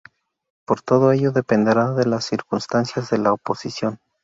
Pero todo ello dependerá de las circunstancias de la posición.